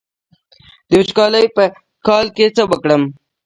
د وچکالۍ په کال کې څه وکړم؟